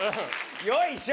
よいしょ